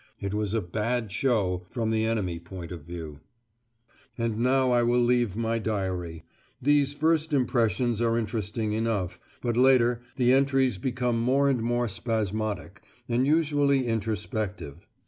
It was a "bad show" from the enemy point of view. And now I will leave my diary. These first impressions are interesting enough, but later the entries became more and more spasmodic, and usually introspective.